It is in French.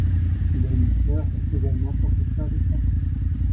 Il a une sœur, également professeur de français.